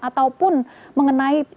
ataupun mengenai informasi